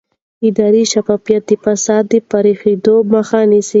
اداري شفافیت د فساد د پراخېدو مخه نیسي